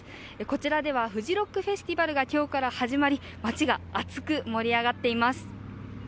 こちらではフジロックフェスティバルが今日から始まり町が熱く盛り上がっています。